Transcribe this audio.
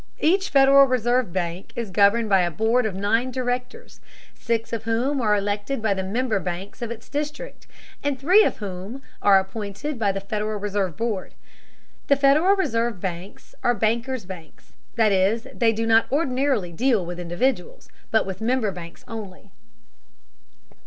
Each Federal Reserve bank is governed by a board of nine directors, six of whom are elected by the member banks of its district, and three of whom are appointed by the Federal Reserve Board. The Federal Reserve banks are bankers' banks, that is, they do not ordinarily deal directly with individuals, but with member banks only.